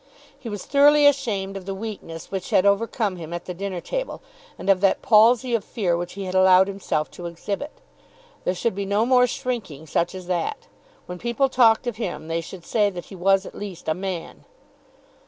He was thoroughly ashamed of the weakness which had overcome him at the dinner table, and of that palsy of fear which he had allowed himself to exhibit. There should be no more shrinking such as that. When people talked of him they should say that he was at least a man.